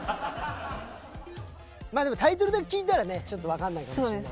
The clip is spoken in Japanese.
まあでもタイトルだけ聞いたらねちょっと分かんないかもしんない。